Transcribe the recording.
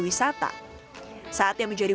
wisata saatnya menjadi